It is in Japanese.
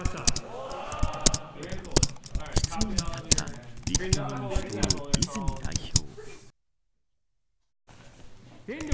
質問に立った立憲民主党の泉代表。